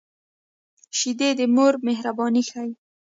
شیدې د مور مهرباني ښيي